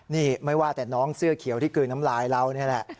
นี่ไม่ว่าแต่น้องเสื้อเขียวที่กลืนน้ำลายเรานี่แหละ